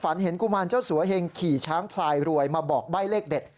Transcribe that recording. เห็นกุมารเจ้าสัวเฮงขี่ช้างพลายรวยมาบอกใบ้เลขเด็ด